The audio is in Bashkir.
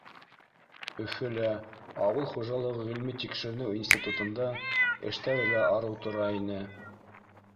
Өфөлә, ауыл хужалығы ғилми-тикшеренеү институтында, эштәре лә арыу тора ине